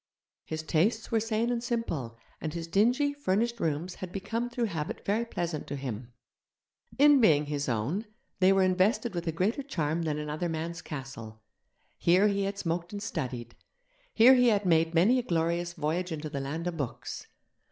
His tastes were sane and simple, and his dingy, furnished rooms had become through habit very pleasant to him. In being his own, they were invested with a greater charm than another man's castle. Here he had smoked and studied, here he had made many a glorious voyage into the land of books.